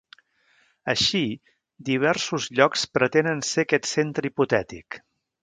Així, diversos llocs pretenen ser aquest centre hipotètic.